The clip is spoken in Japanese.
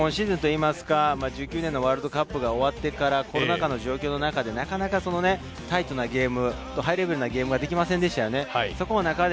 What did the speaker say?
１９年のワールドカップが終わってからコロナ禍の状況の中、なかなかタイトなゲーム、ハイレベルなゲームができませんでした。